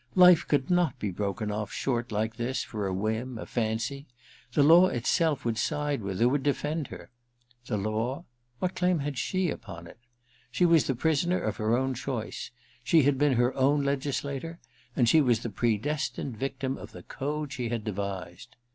Life could not be broken off short like this, for a whim, a fancy ; the law itself would side with her, would defend her. The law ? What claim had she upon it ? She was the prisoner of her own choice : she had been her own legislator, and she was the predestined victim of the code she had devised.